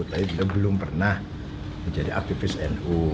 tapi juga belum pernah menjadi aktivis nu